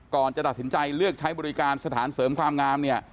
ก่อนจะตัดสินใจเลือกใช้บริการสถานเสริมความงามเนี่ย